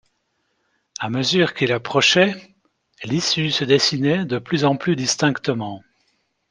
À mesure qu’il approchait, l’issue se dessinait de plus en plus distinctement.